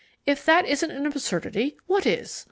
If that isn't an absurdity, what is?